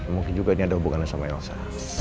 mungkin juga ini ada hubungannya sama elsa